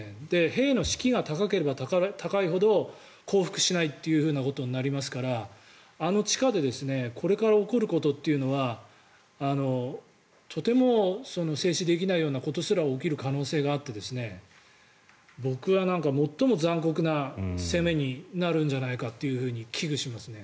兵の士気が高ければ高いほど降伏しないということになりますからあの地下でこれから起こることというのはとても正視できないようなことすら起こる可能性があって僕は最も残酷な攻めになるんじゃないかと危惧します。